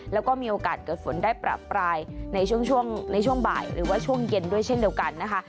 แล้วก็มีโอกาสเกิดฝนได้ประปรายในช่วงในช่วงบ่ายหรือว่าช่วงเย็นด้วยเช่นเดียวกันนะคะ